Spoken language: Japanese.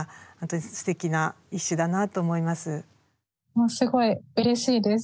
それがすごいうれしいです。